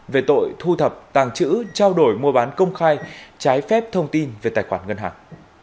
về tội thu thập tàng chữ trao đổi mua bán công khai trái phép thông tin về tài khoản ngân hàng